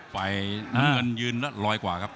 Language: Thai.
ไปน้ำเงินยืนแล้วลอยกว่าครับ